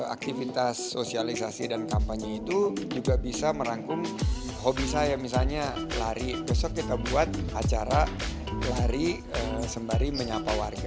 aktivitas sosialisasi dan kampanye itu juga bisa merangkum hobi saya misalnya lari besok kita buat acara lari sembari menyapa warga